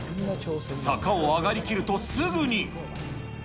坂を上がりきるとすぐに。